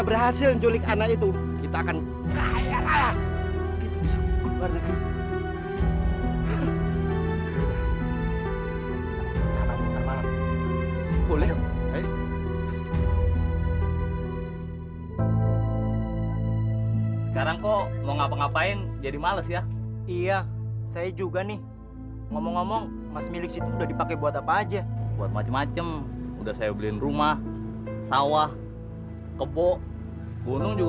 raksasa ampun raksasa ampun saya membesar raksasa ampuni saya raksasa ampuni saya minta tolong